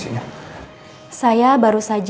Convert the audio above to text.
pak amar kita harus berhati hati